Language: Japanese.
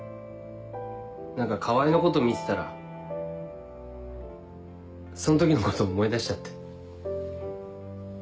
何か川合のこと見てたらそん時のこと思い出しちゃって。